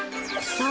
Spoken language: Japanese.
そう！